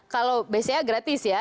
kalau bca gratis ya